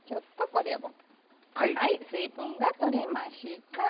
はい水分が取れました。